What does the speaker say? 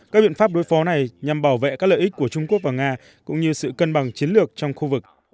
các biện pháp đối phó này nhằm bảo vệ các lợi ích của trung quốc và nga cũng như sự cân bằng chiến lược trong khu vực